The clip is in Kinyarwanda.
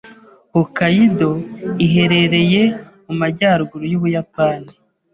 Hokkaido iherereye mu majyaruguru yUbuyapani.